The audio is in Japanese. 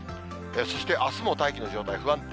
そしてあすも大気の状態不安定。